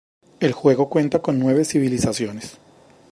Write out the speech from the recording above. El juego cuenta con nueve civilizaciones:.